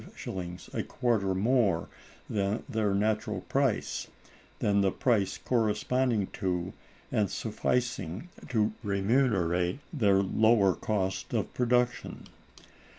_ a quarter more than their natural price—than the price corresponding to, and sufficing to remunerate, their lower cost of production.